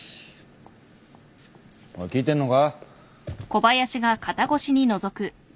おい聞いてんのか？